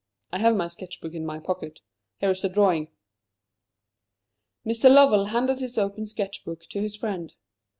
I have my sketch book in my pocket here is the drawing." Mr. Lovell handed his open sketch book to his friend.